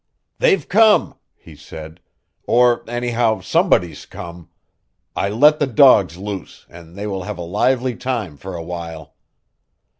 "They've come," he said, "or, anyhow, somebody's come. I let the dogs loose, and they will have a lively time for a while."